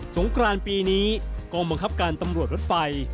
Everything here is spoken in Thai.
งกรานปีนี้กองบังคับการตำรวจรถไฟ